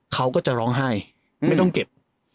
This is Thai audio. เขาก็จะร้องไห้ไม่ต้องเก็บ